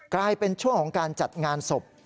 กลายเป็นช่วงของการจัดงานศพ